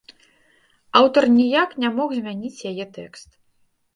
Аўтар ніяк не мог змяніць яе тэкст.